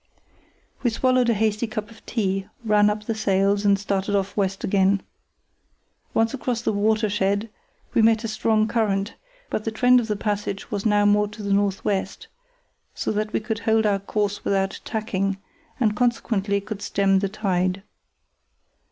We swallowed a hasty cup of tea, ran up the sails, and started off west again. Once across the "watershed" we met a strong current, but the trend of the passage was now more to the north west, so that we could hold our course without tacking, and consequently could stem the tide.